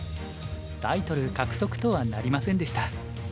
タイトル獲得とはなりませんでした。